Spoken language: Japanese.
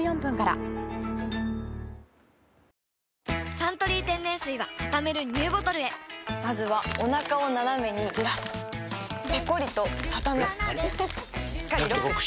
「サントリー天然水」はたためるＮＥＷボトルへまずはおなかをナナメにずらすペコリ！とたたむしっかりロック！